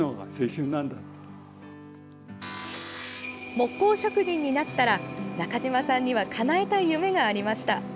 木工職人になったら中島さんにはかなえたい夢がありました。